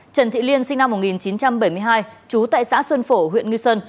trần thị liên sinh năm một nghìn chín trăm bảy mươi hai trú tại xã xuân phổ huyện nghi xuân